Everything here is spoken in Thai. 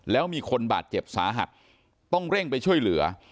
แล้วมีคนบาดเจ็บสาหัสต้องเร่งไปช่วยเหลือ